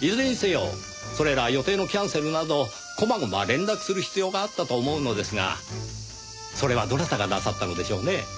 いずれにせよそれら予定のキャンセルなど細々連絡する必要があったと思うのですがそれはどなたがなさったのでしょうねぇ？